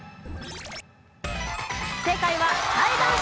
正解は裁判所。